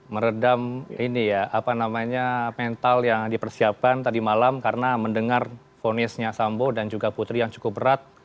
meredam mental yang dipersiapkan tadi malam karena mendengar fonisnya sambo dan putri yang cukup berat